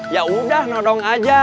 ya udah nodong aja